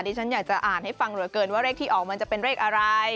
ฉันอยากจะอ่านให้ฟังเหลือเกินว่าเลขที่ออกมันจะเป็นเลขอะไร